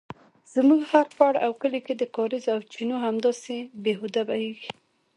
زموږ هر خوړ او کلي کې د کاریزو او چینو همداسې بې هوده بیهږي